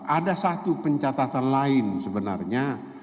ada satu pencatatan lain sebenarnya